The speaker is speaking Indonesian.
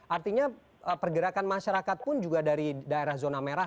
artinya pergerakan masyarakat pun juga dari daerah zona merah